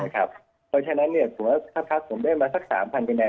เพราะฉะนั้นครับสมมติครับผมได้มาสัก๓พันคะแนน